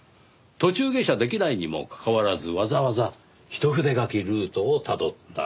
途中下車できないにもかかわらずわざわざ一筆書きルートをたどった。